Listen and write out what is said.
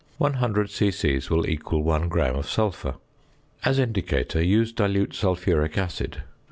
100 c.c. will equal 1 gram of sulphur. As indicator, use dilute sulphuric acid.